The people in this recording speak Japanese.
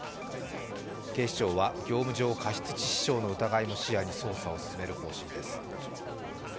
警視庁は、業務上過失致死傷の疑いも視野に捜査を進める方針です。